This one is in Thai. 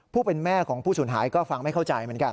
ผู้เป็นแม่ของผู้สูญหายก็ฟังไม่เข้าใจเหมือนกัน